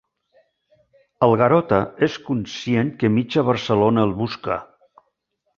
El Garota és conscient que mitja Barcelona el busca.